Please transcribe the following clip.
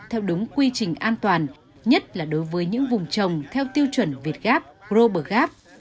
theo đúng quy trình an toàn nhất là đối với những vùng trồng theo tiêu chuẩn việt gap global gap